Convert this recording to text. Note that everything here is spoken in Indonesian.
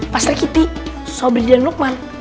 pastor kitty sobri dan lukman